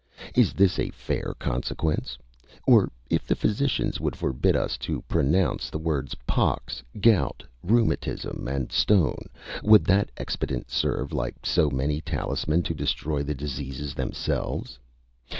Is this a fair consequence? Or if the physicians would forbid us to pronounce the words pox, gout, rheumatism, and stone, would that expedient serve like so many talismen to destroy the diseases themselves?